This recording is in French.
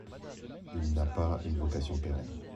Il n’a pas une vocation pérenne.